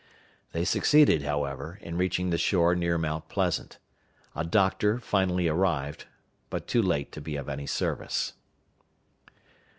They succeeded, however, in reaching the shore near Mount Pleasant. A doctor finally arrived, but too late to be of any service.